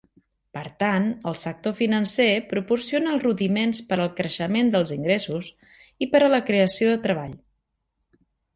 Per tant, el sector financer proporciona els rudiments per al creixement dels ingressos i per a la creació de treball.